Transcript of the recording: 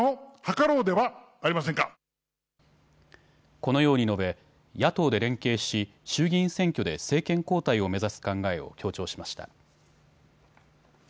このように述べ、野党で連携し衆議院選挙で政権交代を目指す考えを強調しました。